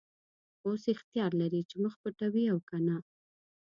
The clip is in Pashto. اوس اختیار لرې چې مخ پټوې او که نه.